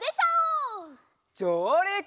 じょうりく！